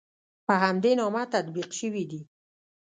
په همدې نامه تطبیق شوي دي.